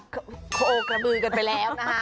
โคกระบือกันไปแล้วนะคะ